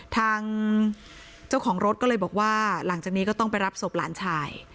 ทางเจ้าของรถก็เลยบอกว่าหลังจากนี้ก็ต้องไปรับศพหลานชาย